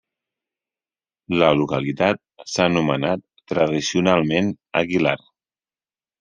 La localitat s'ha anomenat tradicionalment Aguilar.